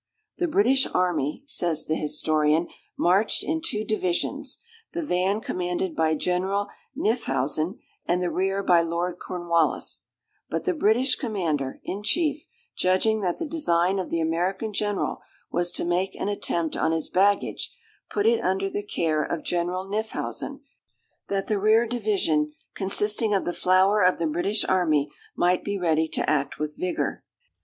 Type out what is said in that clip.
"The British army," says the historian, "marched in two divisions,—the van commanded by General Knyphausen, and the rear by Lord Cornwallis; but the British commander in chief, judging that the design of the American General was to make an attempt on his baggage, put it under the care of General Knyphausen, that the rear division, consisting of the flower of the British army, might be ready to act with vigour.